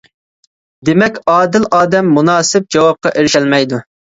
دېمەك، ئادىل ئادەم مۇناسىپ جاۋابقا ئېرىشەلمەيدۇ.